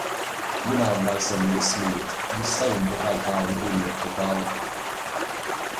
Mingħajr ma jsemmi ismijiet jista' jindika l-karigi li jokkupaw?